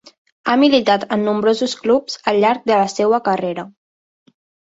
Ha militat en nombrosos clubs al llarg de la seua carrera.